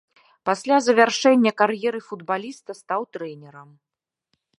Пасля завяршэння кар'еры футбаліста стаў трэнерам.